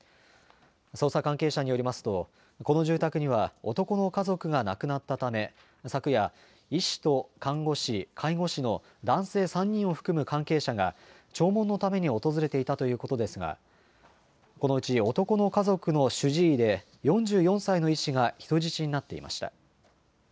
捜査関係者によりますと、この住宅には、男の家族が亡くなったため、昨夜、医師と看護師、介護士の男性３人を含む関係者が、弔問のために訪れていたということですが、このうち男の家族の主治医で、４４歳の医師が、人質になっていました。